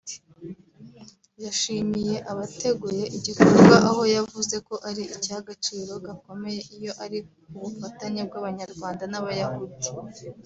yashimiye abateguye igikorwa aho yavuze ko ari icy’agaciro gakomeye iyo ari ku bufatanye bw’abanyarwanda n’Abayahudi